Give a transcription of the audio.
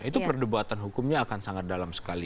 itu perdebatan hukumnya akan sangat dalam sekali